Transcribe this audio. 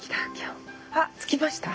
あ着きました。